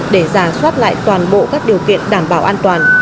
để giả soát lại toàn bộ các điều kiện đảm bảo an toàn